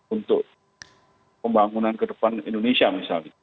untuk pembangunan kedepan indonesia misalnya